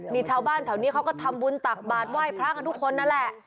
นี่ชาวบ้านแถวนี้เขาก็ทำบุญตักบาทไหว้พระกันทุกคนนั่นแหละ